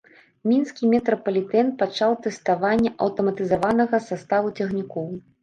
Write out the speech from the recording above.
Мінскі метрапалітэн пачаў тэставанне аўтаматызаванага саставу цягнікоў.